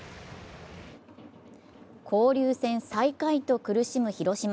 交流戦最下位と苦しむ広島。